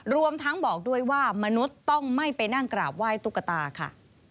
รวมทั้งบอกด้วยว่ามนุษย์ต้องไม่ไปนั่งกราบไหว้ตุ๊กตาค่ะ